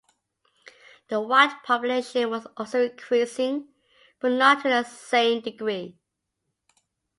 The white population was also increasing, but not to the same degree.